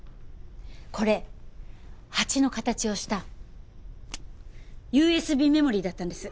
これハチの形をしたＵＳＢメモリーだったんです。